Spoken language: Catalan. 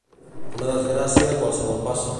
Una desgràcia a qualsevol passa.